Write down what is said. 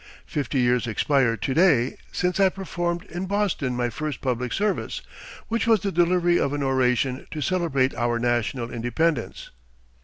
Fifty years expire to day since I performed in Boston my first public service, which was the delivery of an oration to celebrate our national independence.